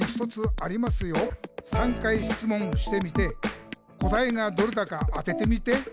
「３回しつもんしてみて答えがどれだか当ててみて！」